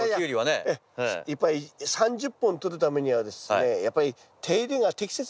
いっぱい３０本とるためにはですね